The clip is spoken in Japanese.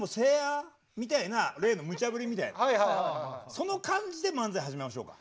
その感じで漫才始めましょうか。